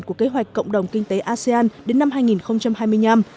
của kế hoạch cộng đồng kinh tế asean đến năm hai nghìn hai mươi năm